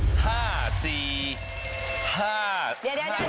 ส่งฝาให้มาเรียกแล้วครับพี่น้อง